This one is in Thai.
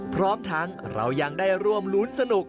พร้อมทั้งเรายังได้ร่วมรุ้นสนุก